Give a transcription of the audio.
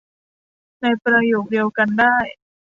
ในประโยคเดียวกันได้